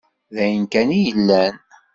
D ayen kan i yellan?